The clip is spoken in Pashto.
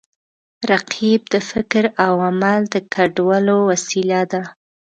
رقیب زما د فکر او عمل د ګډولو وسیله ده